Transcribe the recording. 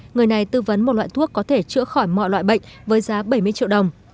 người này tư vấn một loại thuốc có thể chữa khỏi mọi loại bệnh với giá bảy mươi triệu đồng